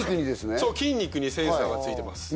そう筋肉にセンサーが付いてます。